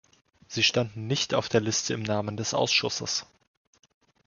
Sie standen nicht auf der Liste im Namen des Ausschusses.